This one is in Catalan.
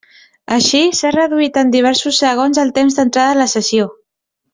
Així, s'ha reduït en diversos segons el temps d'entrada a la sessió.